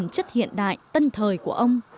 chất hiện đại tân thời của ông